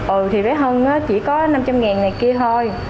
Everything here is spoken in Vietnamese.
ừ thì bé hân chỉ có năm trăm linh ngàn này kia thôi